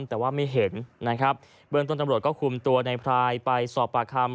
แต่ว่าไม่เห็นนะครับเบื้องต้นตำรวจก็คุมตัวในพรายไปสอบปากคำ